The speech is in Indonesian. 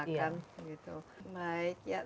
ya kalau diperlukan